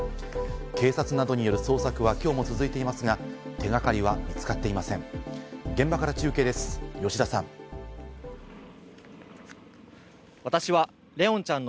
警察などによる捜索は今日も続いていますが、手掛かりは見つかっていません。